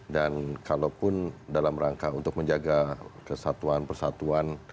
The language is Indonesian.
dan kalaupun dalam rangka untuk menjaga kesatuan persatuan